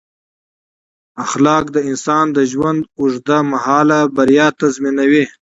اخلاق د انسان د ژوند اوږد مهاله بریا تضمینوي.